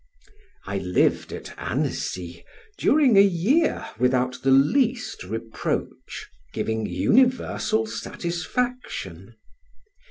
I lived at Annecy during a year without the least reproach, giving universal satisfaction.